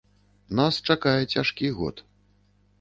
Нас чакае цяжкі год.